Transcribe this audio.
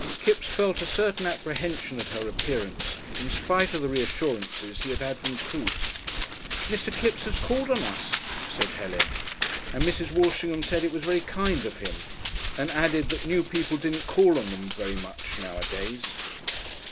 Kipps felt a certain apprehension at her appearance, in spite of the reassurances he had had from Coote. "Mr. Kipps has called on us," said Helen, and Mrs. Walshingham said it was very kind of him, and added that new people didn't call on them very much nowadays.